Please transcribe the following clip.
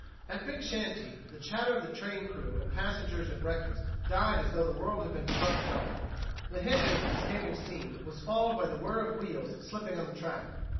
At Big Shanty, the chatter of the train crew and passengers at breakfast died as though the world had been struck dumb. The hissing of escaping steam was followed by the whir of wheels slipping on the track.